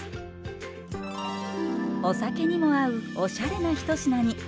お酒にも合うおしゃれな一品に。